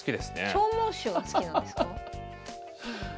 長毛種が好きなんですか？